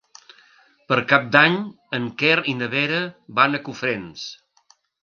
Per Cap d'Any en Quer i na Vera van a Cofrents.